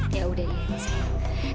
yaudah ya sayang